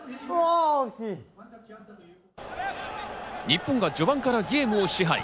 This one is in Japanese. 日本が序盤からゲームを支配。